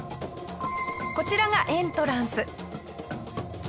こちらがエントランス。